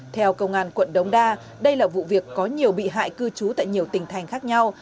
theo công an quận đống đa đây là vụ việc có nhiều bị hại cư trú tại nhiều tỉnh thành khác nhau